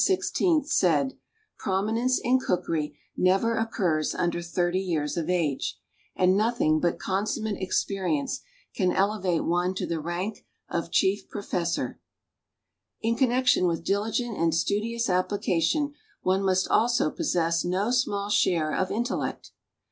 \_/ saic one time chef of Louis XVI nd: "Prominence in cookery never occurs under tliirty years of age, and nothing;' l>ut consummate experi ence can elevate one to tlie rani: of chief professor. In connection with dihgent and studious ap])Hcation one must also possess no small share of in tellect".